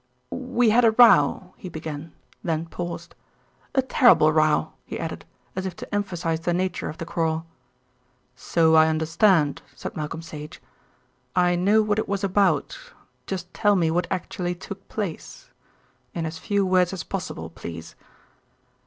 "We had a row," he began, then paused; "a terrible row," he added, as if to emphasise the nature of the quarrel. "So I understand," said Malcolm Sage. "I know what it was about. Just tell me what actually took place. In as few words as possible, please."